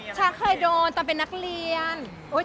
ฉันเคยโดนตอนเป็นนักเรียน